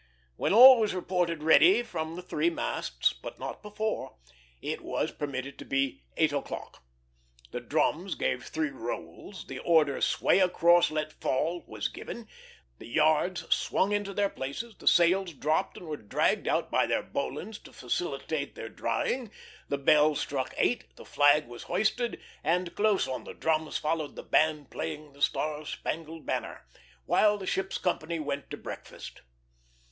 When all was reported ready from the three masts but not before it was permitted to be eight o'clock. The drums gave three rolls, the order "Sway across, let fall," was given, the yards swung into their places, the sails dropped and were dragged out by their bowlines to facilitate their drying, the bell struck eight, the flag was hoisted, and close on the drums followed the band playing the "Star Spangled Banner," while the ship's company went to breakfast.